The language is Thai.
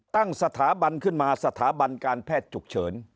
ตั้งสถาบันขึ้นมาสถาบันการแพทย์ฉุกเฉิน